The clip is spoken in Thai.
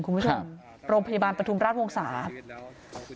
คุณผู้ชมโรงพยาบาลประทุมราชวงศาสตร์